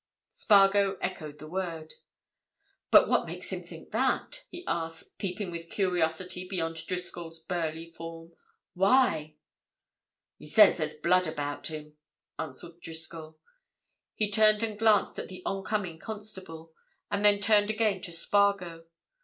Spargo echoed the word. "But what makes him think that?" he asked, peeping with curiosity beyond Driscoll's burly form. "Why?" "He says there's blood about him," answered Driscoll. He turned and glanced at the oncoming constable, and then turned again to Spargo.